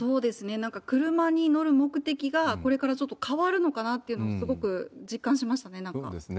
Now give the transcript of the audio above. なんか車に乗る目的が、これからちょっと変わるのかなっていうのを、すごく実感しましたそうですね。